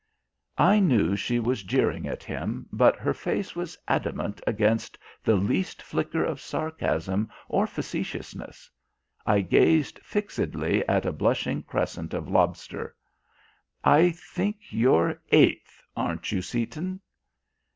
I knew she was jeering at him, but her face was adamant against the least flicker of sarcasm or facetiousness. I gazed fixedly at a blushing crescent of lobster. "I think you're eighth, aren't you, Seaton?"